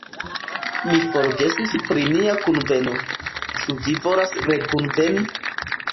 Mi forgesis pri nia kunveno, ĉu vi volas rekunveni?